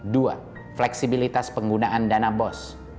dua fleksibilitas penggunaan dana bos